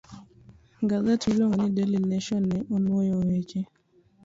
Gaset miluongo ni "Daily Nation" ne onwoyo weche